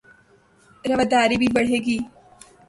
رواداری بھی بڑھے گی